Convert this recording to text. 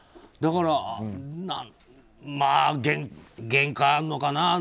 だから、まあ限界あるのかな。